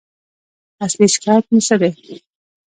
اصلي شکایت مو څه دی؟